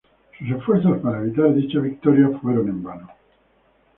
Sus esfuerzos para evitar dicha victoria fueron en vano.